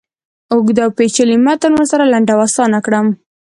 اوږد اوپیچلی متن ورسره لنډ او آسانه کړم.